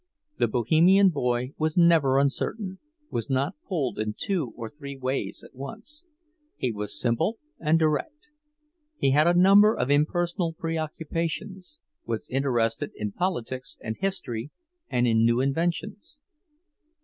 The Bohemian boy was never uncertain, was not pulled in two or three ways at once. He was simple and direct. He had a number of impersonal preoccupations; was interested in politics and history and in new inventions.